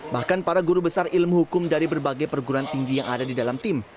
bahkan para guru besar ilmu hukum dari berbagai perguruan tinggi yang ada di dalam tim